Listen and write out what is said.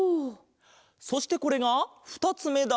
そしてこれがふたつめだ。